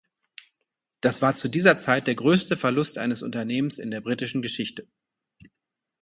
Das war zu dieser Zeit der größte Verlust eines Unternehmens in der britischen Geschichte.